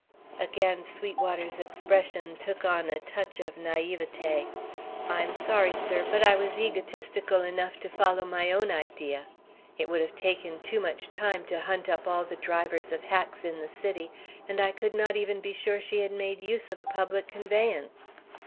Again Sweetwater's expression took on a touch of naïveté. "I'm sorry, sir; but I was egotistical enough to follow my own idea. It would have taken too much time to hunt up all the drivers of hacks in the city, and I could not even be sure she had made use of a public conveyance.